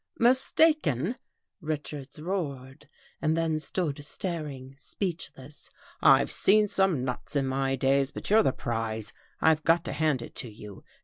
" Mistaken !" Richards roared, and then stood staring, speechless. " I've seen some nuts in my day, but you're the prize. I've got to hand it to you.